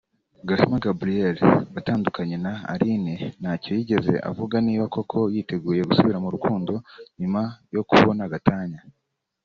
Gahima Gabriel watandukanye na Aline ntacyo yigeze avuga niba koko yiteguye gusubira mu rukundo nyuma yo kubona gatanya